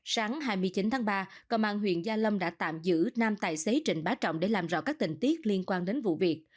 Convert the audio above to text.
sáng hai mươi chín tháng ba công an huyện gia lâm đã tạm giữ nam tài xế trịnh bá trọng để làm rõ các tình tiết liên quan đến vụ việc